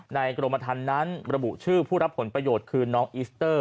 กรมธรรมนั้นระบุชื่อผู้รับผลประโยชน์คือน้องอิสเตอร์